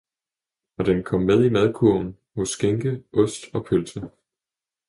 og den kom med i madkurven hos skinke, ost og pølse.